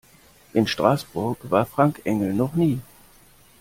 In Straßburg war Frank Engel noch nie.